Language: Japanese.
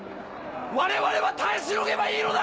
我々は耐えしのげばいいのだ！